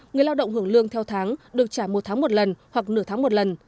người lao động hưởng lương theo tháng được trả một tháng một lần hoặc nửa tháng một lần